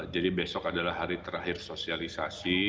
jadi besok adalah hari terakhir sosialisasi